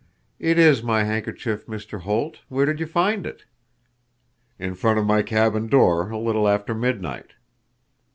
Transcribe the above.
"It is my handkerchief, Mr. Holt. Where did you find it?" "In front of my cabin door a little after midnight."